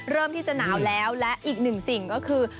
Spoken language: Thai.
เริ่มที่จะหนาวแล้วและอีกหนึ่งสิ่งก็คือ